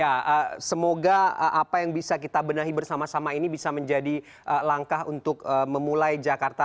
ya semoga apa yang bisa kita benahi bersama sama ini bisa menjadi langkah untuk memulai jakarta